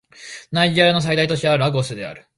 ナイジェリアの最大都市はラゴスである